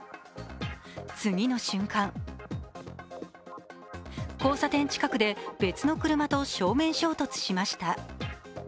次の瞬間、交差点近くで別の車と正面衝突しました。